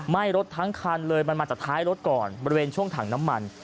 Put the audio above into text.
ไหม้รถทั้งคันเลยมันมาจากท้ายรถก่อนบริเวณช่วงถังน้ำมัน